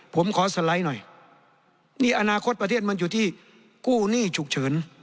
ผมขอสไลด์หน่อยนี่อนาคตประเทศมันอยู่ที่กู้หนี้ฉุกเฉิน